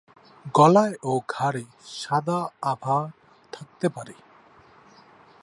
গলা ও ঘাড়ে সাদার আভা থাকতে পারে।